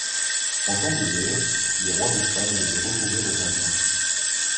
En temps de guerre, les rois d'Espagne devaient recourir aux emprunts.